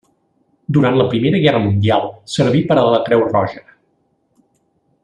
Durant la Primera Guerra Mundial serví per a la Creu Roja.